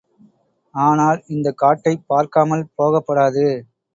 ஆனால், இந்தக் காட்டைப் பார்க்காமல் போகப்படாது.